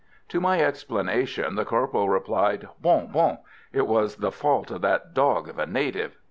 To my explanation the corporal replied: "Bon! bon! It was the fault of that dog of a native.